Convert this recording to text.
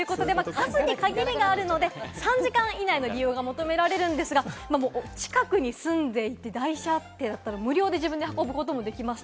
数に限りがあるので、３時間以内の利用が求められるんですが、近くに住んでいて、台車となると、無料で自分で運ぶこともできます。